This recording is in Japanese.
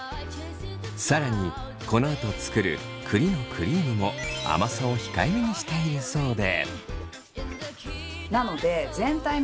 更にこのあと作る栗のクリームも甘さを控えめにしているそうで。